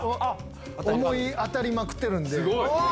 思い当たりまくってるんで。